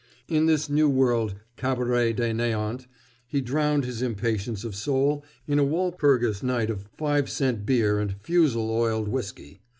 In this new world Cabaret de Neant he drowned his impatience of soul in a Walpurgis Night of five cent beer and fusel oil whiskey.